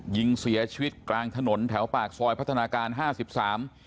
ยิงเสียชีวิตกลางถนนแถวปากซอยพัฒนาการห้าสิบสาม